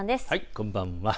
こんばんは。